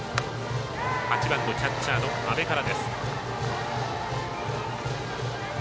８番のキャッチャーの阿部から。